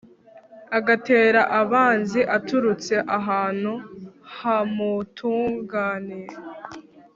agatera abanzi aturutse ahantu hamutunganiye